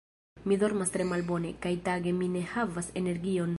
Mi dormas tre malbone, kaj tage mi ne havas energion.